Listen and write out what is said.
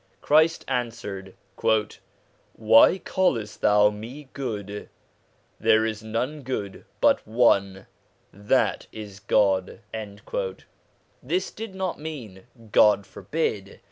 Christ answered :' Why callest thou me good ? there is none good but one, that is God.' This did not mean God forbid